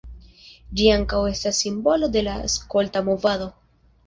Ĝi ankaŭ estas simbolo de la skolta movado.